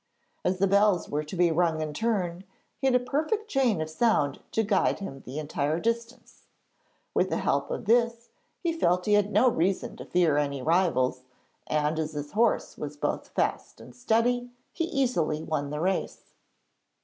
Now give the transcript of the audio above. As the bells were to be rung in turn, he had a perfect chain of sound to guide him the entire distance. With the help of this, he felt he had no reason to fear any rivals, and, as his horse was both fast and steady, he easily won the race.